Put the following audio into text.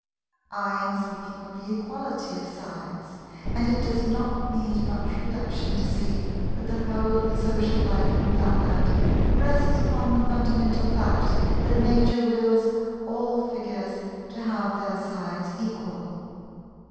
I am speaking of the equality of sides, and it does not need much reflection to see that the whole of the social life in Flatland rests upon the fundamental fact that Nature wills all Figures to have their sides equal.